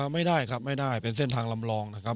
ไม่ได้ครับไม่ได้เป็นเส้นทางลำลองนะครับ